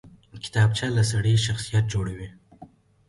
کتابچه له سړي شخصیت جوړوي